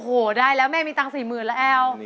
โอ้โหได้แล้วแม่มีตังค์๔๐๐๐แล้วแอล